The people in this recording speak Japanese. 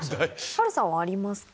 波瑠さんはありますか？